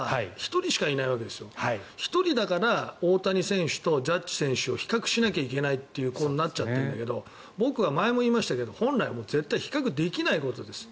１人しかいないから大谷選手とジャッジ選手を比較しないといけないことになっちゃってるんだけど僕は前も言いましたけど本来、比較できないことです。